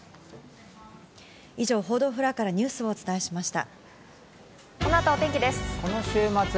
以上、報道フロアからニュースをお伝えしました。